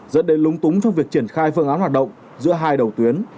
dẫn đến lúng túng trong việc triển khai phương án hoạt động giữa hai đầu tuyến